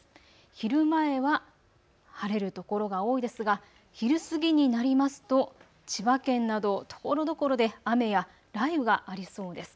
昼前は晴れる所が多いですが昼過ぎになりますと千葉県などところどころで雨や雷雨がありそうです。